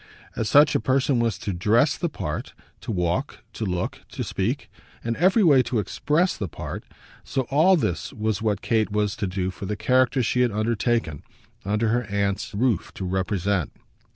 As such a person was to dress the part, to walk, to look, to speak, in every way to express, the part, so all this was what Kate was to do for the character she had undertaken, under her aunt's roof, to represent.